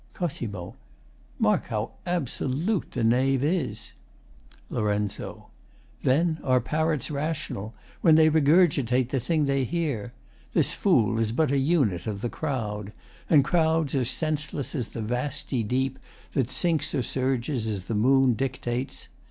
COS. Mark how absolute The knave is! LOR. Then are parrots rational When they regurgitate the thing they hear! This fool is but an unit of the crowd, And crowds are senseless as the vasty deep That sinks or surges as the moon dictates.